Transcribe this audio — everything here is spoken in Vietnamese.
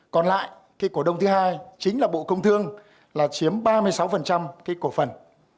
còn lại cái cổ đông thứ hai chính là bộ công thương là chiếm ba mươi sáu cái cổ phần